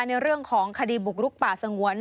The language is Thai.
ในเรื่องของคดีบุกรุกป่าสงวน